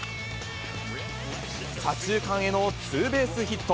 左中間へのツーベースヒット。